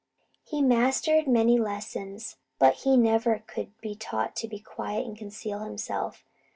He had mastered many lessons, but he never could be taught how to be quiet and conceal himself.